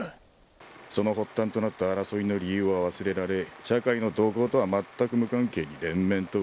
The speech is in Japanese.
その発端となった争いの理由は忘れられ社会の動向とはまったく無関係に連綿と受け継がれた。